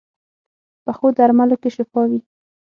پخو درملو کې شفا وي